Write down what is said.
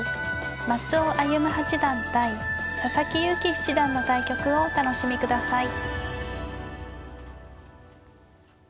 松尾歩八段対佐々木勇気七段の対局をお楽しみください。